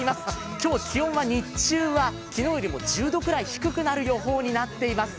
今日、気温は日中は昨日よりも１０度くらい低くなる予報になっています。